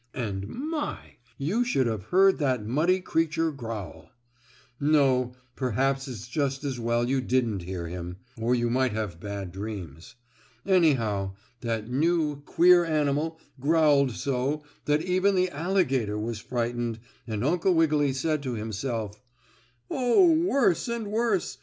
And, my! you should have heard that muddy creature growl. No, perhaps it's just as well you didn't hear him, or you might have bad dreams. Anyhow, that new, queer animal growled so that even the alligator was frightened, and Uncle Wiggily said to himself: "Oh, worse and worse!